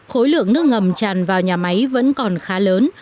khối lượng nước ngầm tràn vào nhà máy vẫn còn khá lớn